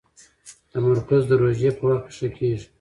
تمرکز د روژې په وخت کې ښه کېږي.